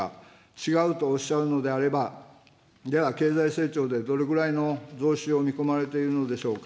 違うとおっしゃるのであれば、では経済成長でどれぐらいの増収を見込まれているのでしょうか。